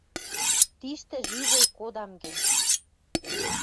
Тиштӹ живой кодам гӹнь